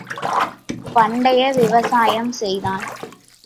பண்டைய விவசாயம் செய்தான்.